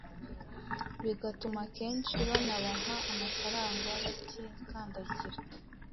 bigatuma akenshi banabaha amafaranga batikandagira.